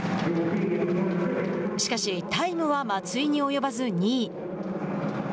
しかし、タイムは松井に及ばず２位。